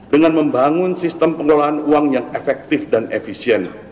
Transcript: dengan membangun sistem pengelolaan uang yang efektif dan efisien